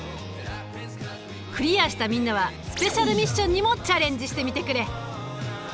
クリアしたみんなはスペシャルミッションにもチャレンジしてみてくれ。